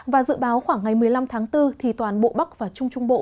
và dự báo khoảng ngày một mươi năm tháng bốn thì toàn bộ bắc và trung trung bộ